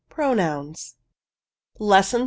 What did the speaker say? PRONOUNS. Lesson III.